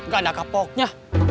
gak ada kapoknya